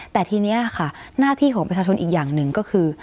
แต่ทีนี้ค่ะหน้าที่ของประชาชนอีกอย่างหนึ่งก็คือ